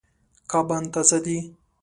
کبان تازه دي.